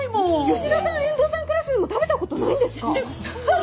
吉田さん遠藤さんクラスでも食べたことないんですか？